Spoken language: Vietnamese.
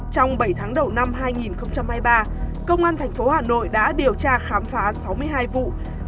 trong bảy tháng đầu năm hai nghìn hai mươi ba công an tp hà nội đã điều tra khám phá sáu mươi hai vụ